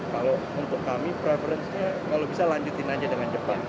kalau untuk kami preferensinya kalau bisa lanjutin aja dengan jepang